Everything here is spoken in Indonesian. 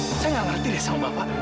saya nggak ngerti deh sama bapak